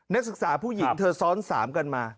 นักศึกษาผู้หญิงเธอซ้อน๓กันมา